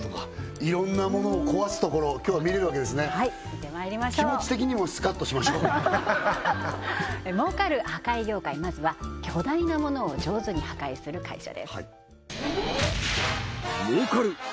いろんなものを壊すところ今日は見れるわけですねはい見てまいりましょう気持ち的にもスカッとしましょう儲かる破壊業界まずは巨大なものを上手に破壊する会社です